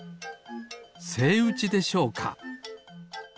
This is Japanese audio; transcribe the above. セイウチでしょうか？